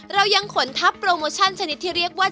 เรายังขนทัพโปรโมชั่นชนิดที่เรียกว่า